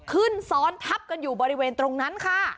ขึ้นซ้อนทับกันอยู่บริเวณตรงนั้นค่ะ